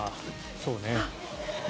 そうね。